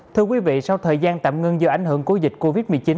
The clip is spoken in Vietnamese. thưa quý vị sau thời gian tạm ngưng do ảnh hưởng của dịch covid một mươi chín